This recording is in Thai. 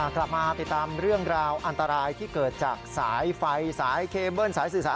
กลับมาติดตามเรื่องราวอันตรายที่เกิดจากสายไฟสายเคเบิ้ลสายสื่อสาร